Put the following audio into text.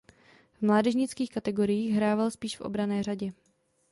V mládežnických kategoriích hrával spíše v obranné řadě.